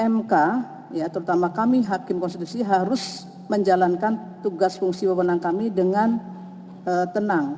mk ya terutama kami hakim konstitusi harus menjalankan tugas fungsi wewenang kami dengan tenang